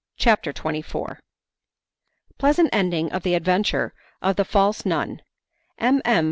CHAPTER XXIV Pleasant Ending of the Adventure of the False Nun M. M.